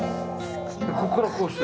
ここからこうして。